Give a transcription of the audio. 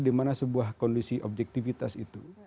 jadi kita harus mempercaya kondisi objektifitas itu